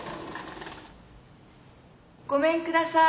ごめんください。